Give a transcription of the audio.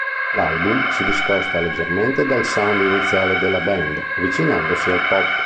L'album si discosta leggermente dal sound iniziale della band, avvicinandosi al pop.